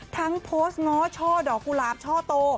ทั้งโพสต์ง้อช่อดอกกุหลาบช่อโต